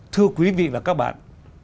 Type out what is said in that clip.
thưa quý vị và các bạn